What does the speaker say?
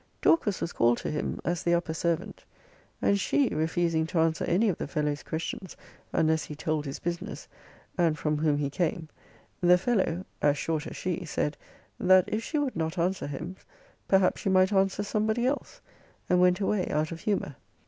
Dorcas was called to him, as the upper servant; and she refusing to answer any of the fellow's questions, unless he told his business, and from whom he came, the fellow (as short as she) said, that if she would not answer him, perhaps she might answer somebody else; and went away out of humour.